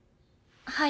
はい。